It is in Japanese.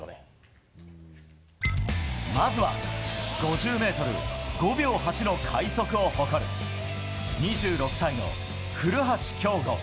まずは５０ｍ５秒８の快足を誇る２６歳の古橋亨梧。